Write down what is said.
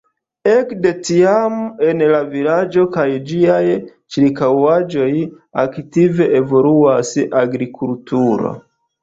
Ekde tiam en la vilaĝo kaj ĝiaj ĉirkaŭaĵoj aktive evoluas agrikulturo.